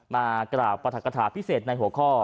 มากราบปรัฐกฐาพิเศษในหัวข้อ